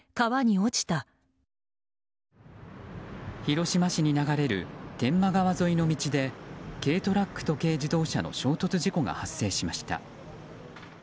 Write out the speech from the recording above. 広島市に流れる天満川沿いの道で軽トラックと軽自動車の衝突事故が発生しました。